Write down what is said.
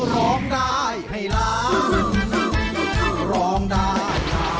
ร้องได้ให้ร้างร้องได้ให้ร้าง